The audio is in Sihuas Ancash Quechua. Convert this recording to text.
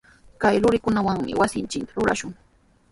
Kay rumikunawami wasinchikta rurashun.